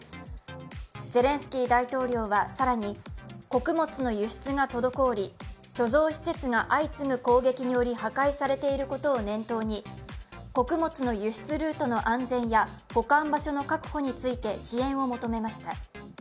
ゼレンスキー大統領は更に穀物の輸出が滞り貯蔵施設が相次ぐ攻撃により破壊されていることを念頭に穀物の輸出ルートの安全や保管場所の確保について支援を求めました。